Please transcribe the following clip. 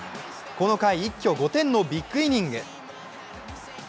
この回、一挙５点のビッグイニング。